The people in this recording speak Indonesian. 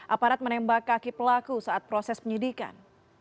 aparat menembak kaki pelaku saat proses penyidikan